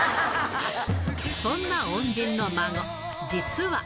そんな恩人の孫、実は。